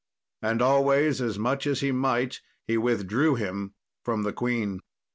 And always as much as he might he withdrew him from the queen.